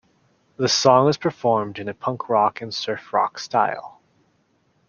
The song is performed in a punk rock and surf rock style.